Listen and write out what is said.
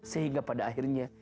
sehingga pada akhirnya